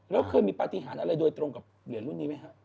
แล้วเคยมีปฏิหารอะไรโดยตรงกับเหรียญรุ่นนี้ไหมครับ